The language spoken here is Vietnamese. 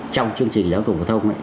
trong chương trình giáo dục phổ thông ấy